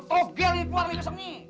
toge keluar besok ini